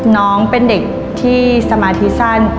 น้องเป็นเด็กที่สมาธิสั้น